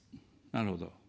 なるほど。